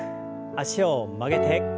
脚を曲げて。